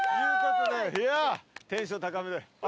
いやテンション高めで。